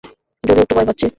যদিও একটু ভয় পাচ্ছি।